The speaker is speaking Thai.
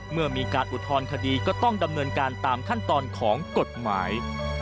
เมื่อมีการอุทธรณคดีก็ต้องดำเนินการตามขั้นตอนของกฎหมาย